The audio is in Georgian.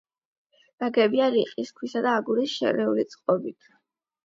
ნაგებია რიყის ქვისა და აგურის შერეული წყობით.